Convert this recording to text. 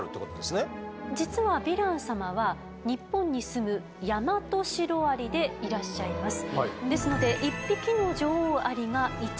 実はヴィラン様は日本に住むヤマトシロアリでいらっしゃいます。